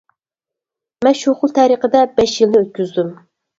مەن شۇ خىل تەرىقىدە بەش يىلنى ئۆتكۈزدۈم.